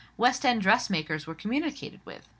West end dressmakers were communicated with.